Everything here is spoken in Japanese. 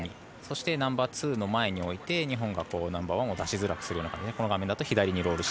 そしてナンバーツーの前に置いて日本がナンバーワンを出しづらくすると。